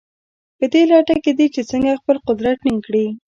په دې لټه کې دي چې څنګه خپل قدرت ټینګ کړي.